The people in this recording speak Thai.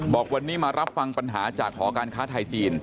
บอกวันนี้มารับฟังปัญหาจากหอการค้าไทยจีน